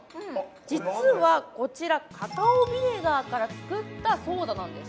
実はこちらカカオビネガーから作ったソーダなんです